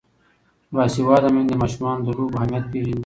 باسواده میندې د ماشومانو د لوبو اهمیت پېژني.